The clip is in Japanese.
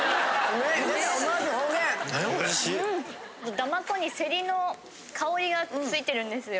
だまこにセリの香りが付いてるんですよ。